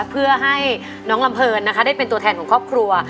เพื่อให้น้องลำเพลินนะคะได้เป็นตัวแทนของครอบครัว